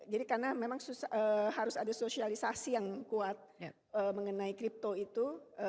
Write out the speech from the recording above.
jadi karena memang harus ada sosialisasi yang kuat mengenai crypto itu